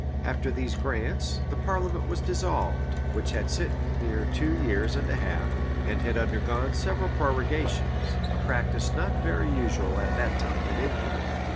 After these grants, the parliament was dissolved, which had sitten near two years and a half, and had undergone several prorogations; a practice not very usual at that time in England.